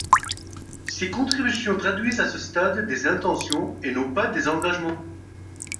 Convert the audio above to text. Ces contributions traduisent à ce stade des intentions, et non des engagements.